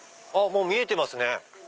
もう見えてますね。